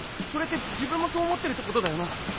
それって自分もそう思ってるってことだよな？